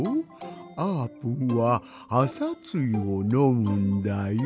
あーぷんはあさつゆをのむんだよ！